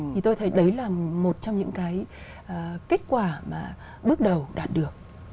thì tôi thấy đấy là một trong những cái kết quả mà bước đầu đạt được